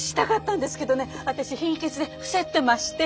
私貧血で伏せってまして。